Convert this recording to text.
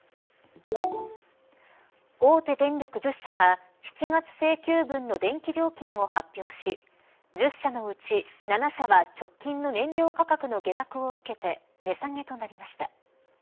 大手電力１０社が７月請求分の電気料金を発表し１０社のうち７社は直近の燃料価格の下落を受けて値下げとなりました。